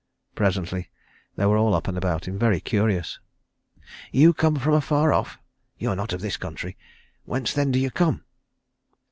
Presently they were all up and about him, very curious. "You come from afar off? You are not of this country? Whence then do you come?"